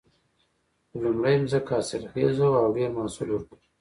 خو لومړۍ ځمکه حاصلخیزه وه او ډېر محصول ورکوي